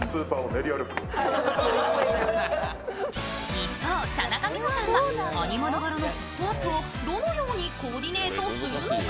一方田中美保さんはアニマル柄セットアップをどのようにコーディネートするのか。